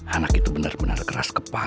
anak itu benar benar keras kepala